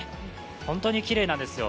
本当にきれいなんですよ。